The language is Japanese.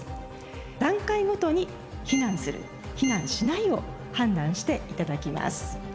段階ごとに「避難する」「避難しない」を判断して頂きます。